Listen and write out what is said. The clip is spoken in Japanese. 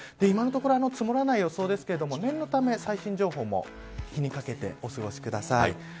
今のところ積もらない予想ですけれども念のため最新情報も気にかけてお過ごしください。